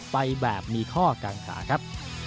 ไปแบบมีข้อกังขาครับ